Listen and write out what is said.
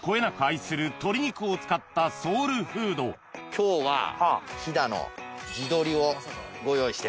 今日は飛騨の地鶏をご用意してます。